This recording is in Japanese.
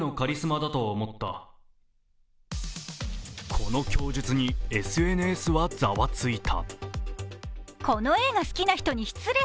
この供述にＳＮＳはざわついた。